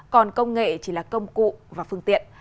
còn công nghệ chỉ là công cụ và phương tiện